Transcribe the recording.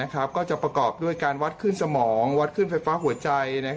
ก็จะประกอบด้วยการวัดขึ้นสมองวัดขึ้นไฟฟ้าหัวใจ